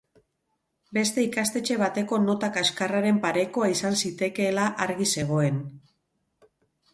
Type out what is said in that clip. Beste ikastetxe bateko nota kaxkarraren parekoa izan zitekeela argi zegoen.